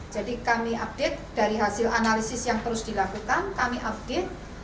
jadi kami update dari hasil analisis yang terus dilakukan kami update